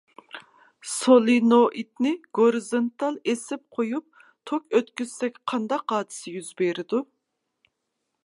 سولېنوئىدنى گورىزونتال ئېسىپ قويۇپ توك ئۆتكۈزسەك قانداق ھادىسە يۈز بېرىدۇ؟